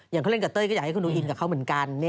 เขาเล่นกับเต้ยก็อยากให้เขาดูอินกับเขาเหมือนกัน